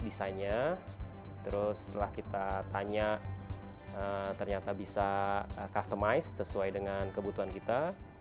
desainnya terus setelah kita tanya ternyata bisa customize sesuai dengan kebutuhan kita